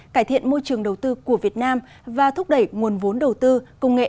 cải thiện môi trường đầu tư của việt nam và thúc đẩy nguồn vốn đầu tư công nghệ